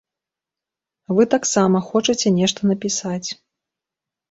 Вы таксама хочаце нешта напісаць.